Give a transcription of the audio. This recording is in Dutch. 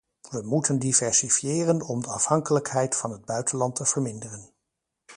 We moeten diversifiëren om de afhankelijkheid van het buitenland te verminderen.